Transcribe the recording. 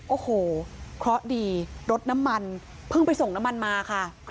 โอ้โหเคราะห์ดีรถน้ำมันเพิ่งไปส่งน้ำมันมาค่ะ